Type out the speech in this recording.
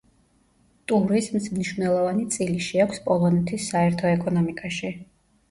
ტურიზმს მნიშვნელოვანი წილი შეაქვს პოლონეთის საერთო ეკონომიკაში.